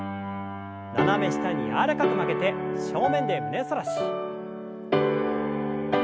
斜め下に柔らかく曲げて正面で胸反らし。